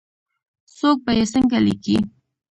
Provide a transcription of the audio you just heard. څوک به یې څنګه لیکي ؟